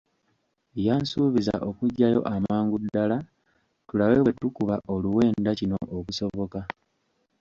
Yansuubiza okujjayo amangu ddala tulabe bwe tukuba oluwenda kino okusoboka.